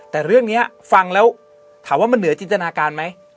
แต่เรื่องนี้ฟังแล้วถามว่ามันเหนือจินตนาการไหม